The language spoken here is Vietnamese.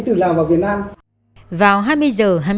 từ lào vào việt nam